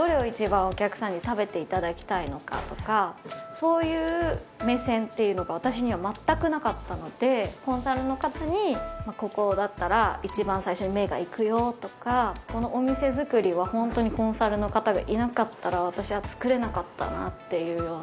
そういう目線っていうのが私には全くなかったのでコンサルの方にここだったら一番最初に目がいくよとかこのお店作りはホントにコンサルの方がいなかったら私は作れなかったなっていうような。